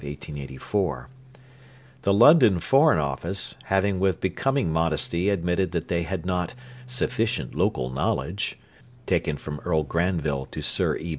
] The London Foreign Office, having with becoming modesty admitted that they had not 'sufficient local knowledge,' [Earl Granville to Sir E.